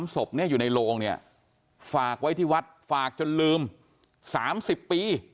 ศพนี้อยู่ในโรงเนี่ยฝากไว้ที่วัดฝากจนลืม๓๐ปี